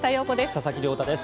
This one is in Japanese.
佐々木亮太です。